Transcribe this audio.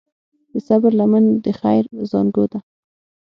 د صبر لمن د خیر زانګو ده.